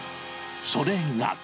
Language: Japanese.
それが。